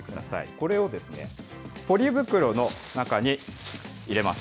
これをポリ袋の中に入れます。